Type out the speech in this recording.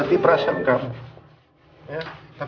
tidak ada yang meminta